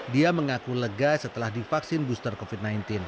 dia mengaku lega setelah divaksin booster covid sembilan belas